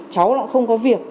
cháu nó không có việc